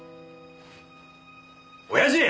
親父！